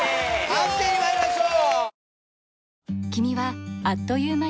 判定にまいりましょう。